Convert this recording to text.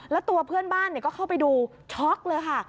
แล้วตัวเพื่อนบ้านก็เข้าไปดูช็อกเลยค่ะ